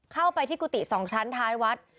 เข้าไปที่กุฏิ๒ชั้นท้ายวัด